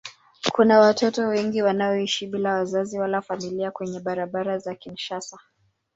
Kuna watoto wengi wanaoishi bila wazazi wala familia kwenye barabara za Kinshasa.